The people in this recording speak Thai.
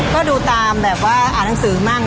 ก็ดูตามแบบว่าอ่านหนังสือมั่ง